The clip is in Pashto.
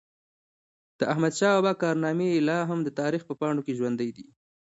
د احمدشاه بابا کارنامي لا هم د تاریخ په پاڼو کي ژوندۍ دي.